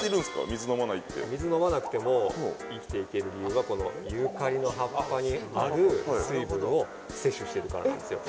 水飲まないって水飲まなくても生きていける理由はこのユーカリの葉っぱにある水分を摂取してるからなんですよ